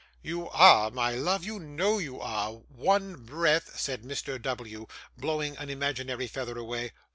'You are, my love, you know you are; one breath ' said Mr. W., blowing an imaginary feather away.